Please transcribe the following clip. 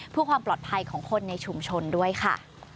เพื่อความปลอดภัยของคนในชุมชนด้วยค่ะ